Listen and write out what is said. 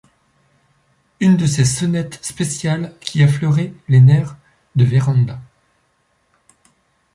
Une de ces sonnettes spéciales qui affleuraient les nerfs de Vérand’a.